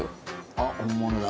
あっ本物だ。